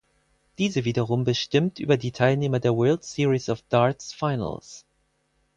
Diese wiederum bestimmt über die Teilnehmer der World Series of Darts Finals.